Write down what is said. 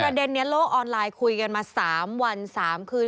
เด็นนี้โลกออนไลน์คุยกันมา๓วัน๓คืน